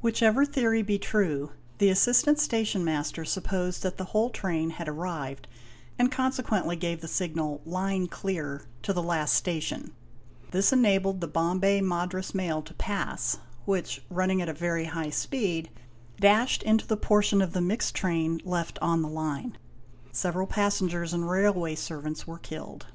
Whichever theory be true, the assistant station master supposed that the whole train had arrived and consequently gave the signal "'line clear,'' to the last station. This enabled the Bombay Madras Mail to SAE hla, is eb 5 MITER td hl Ld Ae AB, Sl rw ht 868 BOILER EXPLOSIONS pass, which running at a very high speed dashed into the portion of the mixed train left on the line. Several passengers and railway servants were killed.